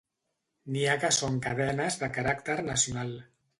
N'hi ha que són cadenes de caràcter nacional.